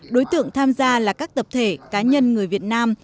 đối tượng tham gia là các tập thể cá nhân người việt nam